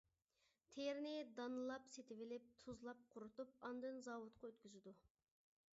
تېرىنى دانىلاپ سېتىۋېلىپ تۇزلاپ قۇرۇتۇپ ئاندىن زاۋۇتقا ئۆتكۈزىدۇ.